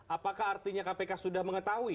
apakah artinya kpk sudah mengetahui